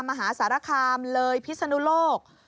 มหาสารคามเลยพิศนุโลก